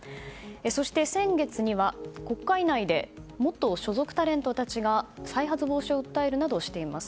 そして先月には国会内で元所属タレントたちが再発防止を訴えるなどしています。